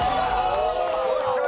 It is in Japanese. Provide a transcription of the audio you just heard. よっしゃー！